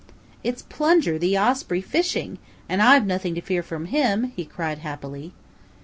"It's Plunger the Osprey fishing, and I've nothing to fear from him," he cried happily.